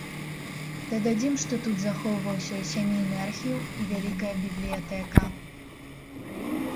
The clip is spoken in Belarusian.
Дададзім, што тут захоўваўся сямейны архіў і вялікая бібліятэка.